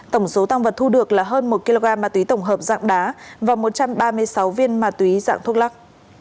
tổng số tăng vật thu được là hơn một kg ma túy tổng hợp dạng đá và một trăm ba mươi sáu viên ma túy dạng thuốc lắc